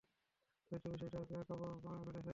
হয়তো বিষটা ওকে কাবু করে ফেলেছে!